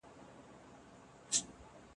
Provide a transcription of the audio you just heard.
عبداللطيف اڅکزى عبدالرحيم هوتک